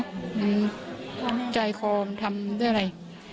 ก็จาคอมทำได้อะไร